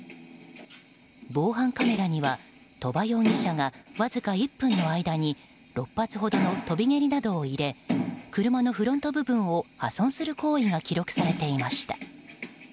防犯カメラには鳥場容疑者がわずか１分の間に６発ほどの飛び蹴りなどを入れ車のフロント部分を破損する行為が記録されていました。